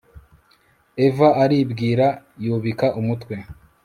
Eva aribwira yubika umutwe